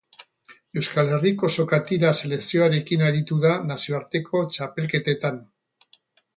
Euskal Herriko sokatira selekzioarekin aritu da nazioarteko txapelketetan.